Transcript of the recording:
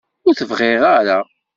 Ur t-bɣiɣ ara.